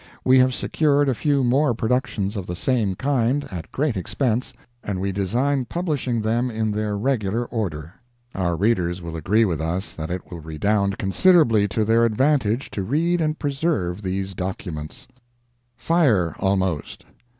We have secured a few more productions of the same kind, at great expense, and we design publishing them in their regular order. Our readers will agree with us that it will redound considerably to their advantage to read and preserve these documents. FIRE, ALMOST.